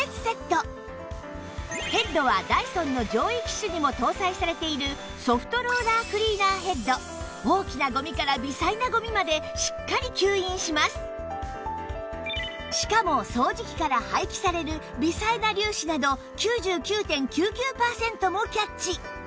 ヘッドはダイソンの上位機種にも搭載されているソフトローラークリーナーヘッドしかも掃除機から排気される微細な粒子など ９９．９９ パーセントもキャッチ